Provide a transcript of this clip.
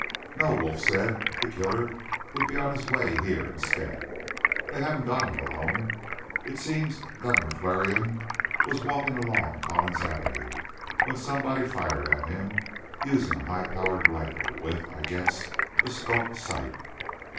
"No," Wolf said. "The killer would be on his way here instead. They haven't got him, Malone. It seems Governor Flarion was walking along Collins Avenue when somebody fired at him, using a high powered rifle with, I guess, a scope sight."